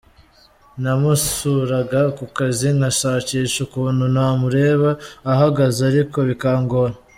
Namusuraga ku kazi ngashakisha ukuntu namureba ahagaze ariko bikangora.